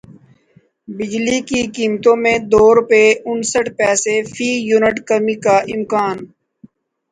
بجلی کی قیمتوں میں دو روپے انسٹھ پیسے فی یونٹ کمی کا امکان